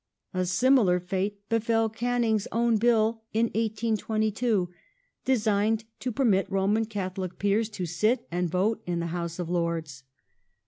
A similar fate befell Canning's own Bill in 1822, designed to permit Roman Catholic Peei s to sit and vote in the House of Lords.